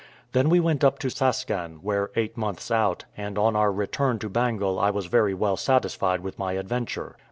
Then we went up to Saskan, were eight months out, and on our return to Bengal I was very well satisfied with my adventure.